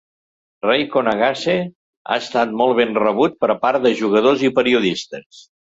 Reiko Nagase ha estat molt ben rebut per part de jugadors i periodistes.